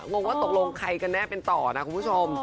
งงว่าตกลงใครกันแน่เป็นต่อนะคุณผู้ชม